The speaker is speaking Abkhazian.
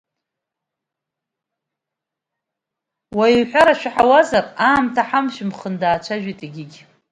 Уаҩиҳәара шәаҳауазар, аамҭа ҳамшәымхын, даацәажәеит егьигьы.